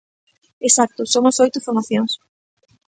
Exacto, somos oito formacións.